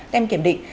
đem kiểm định